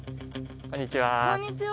こんにちは。